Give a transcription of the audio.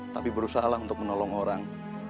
tapi berusaha lah untuk menolong orang